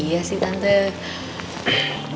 iya sih tante